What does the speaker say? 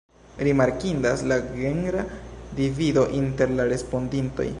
Rimarkindas la genra divido inter la respondintoj.